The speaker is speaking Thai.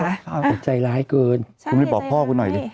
อาจจะมีค่อยข้อมูลต่างออกมาเรื่อยหลังจากนี้นะคะ